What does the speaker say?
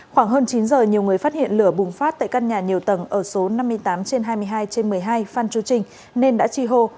khoảng hơn chín giờ nhiều người phát hiện lửa bùng phát tại căn nhà nhiều tầng ở số năm mươi tám trên hai mươi hai trên một mươi hai phan chu trinh nên đã chi hô